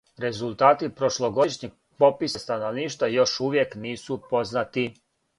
Резултати прошлогодишњег пописа становништва још увијек нису познати.